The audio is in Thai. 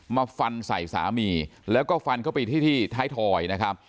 มาฟันใส่สามีแล้วก็ฟันเข้าไปที่ที่ท้ายถอยนะครับ